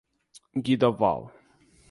Guidoval